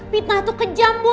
pitnah tuh kejam bu